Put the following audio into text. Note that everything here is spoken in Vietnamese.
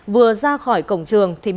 vừa ra khỏi cổng trường